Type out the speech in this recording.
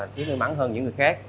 thế hơi mắng hơn những người khác